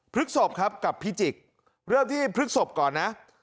พฤกษบครับกับพิจิกเริ่มที่พฤกษบก่อนนะ